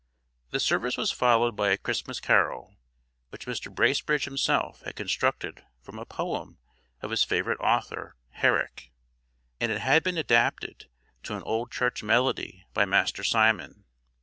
The service was followed by a Christmas carol, which Mr. Bracebridge himself had constructed from a poem of his favourite author, Herrick; and it had been adapted to an old church melody by Master Simon.